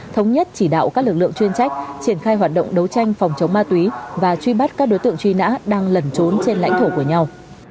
thống nhất chỉ đạo các lực lượng chuyên trách triển khai hoạt động đấu tranh phòng chống ma túy và truy bắt các đối tượng truy nã đang lẩn trốn trên lãnh thổ của nhau